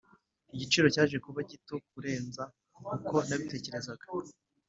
igiciro cyaje kuba gito kurenza uko nabitekerezaga.